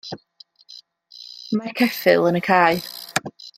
Mae'r ceffyl yn y cae.